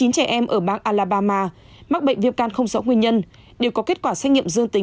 chín trẻ em ở bang alabama mắc bệnh viêm gan không rõ nguyên nhân đều có kết quả xét nghiệm dương tính